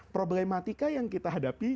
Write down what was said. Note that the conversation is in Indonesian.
problematika yang kita hadapi